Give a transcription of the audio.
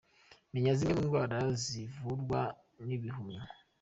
Menya zimwe mu ndwara zivurwa n’ibihumyo